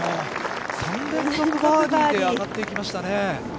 ３連続バーディーで上がっていきましたね。